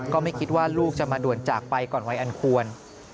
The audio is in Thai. ก็ไม่คิดว่าลูกจะมาด่วนจากไปก่อนวัยอันควร